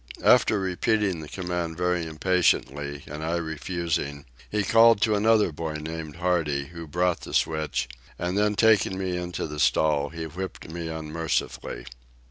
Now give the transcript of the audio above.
After repeating the command very impatiently, and I refusing, he called to another boy named Hardy, who brought the switch, and then taking me into the stall he whipped me unmercifully.